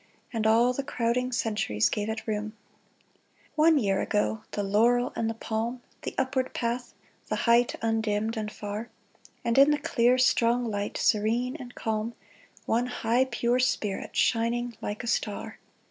And all the crowding centuries gave it room ; One year ago the laurel and the palm, The upward path, the height undimmed and far, And in the clear, strong light, serene and calm, One high, pure spirit, shining like a star